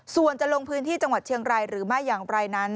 ส่วนจะลงพื้นที่จังหวัดเชียงรายหรือไม่อย่างไรนั้น